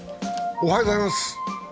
おはようございます。